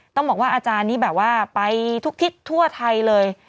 ต้องบอกว่าอาจารย์นี้แบบว่าไปทุกทิศทั่วไทยเลย